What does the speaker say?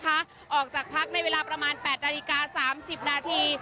ออกจากพักภูมิใจไทยในเวลาประมาณ๘นาฬิกา๓๐นาที